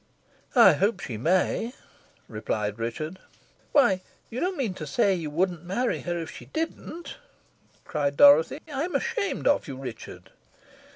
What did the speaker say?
"I hope she may," replied Richard. "Why, you don't mean to say you wouldn't marry her if she didn't!" cried Dorothy. "I'm ashamed of you, Richard."